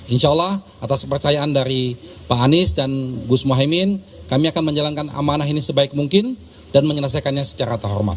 insya allah atas kepercayaan dari pak anies dan gus mohaimin kami akan menjalankan amanah ini sebaik mungkin dan menyelesaikannya secara terhormat